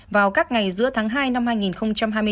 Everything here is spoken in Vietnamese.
vào các ngày giữa tháng hai năm hai nghìn hai mươi bốn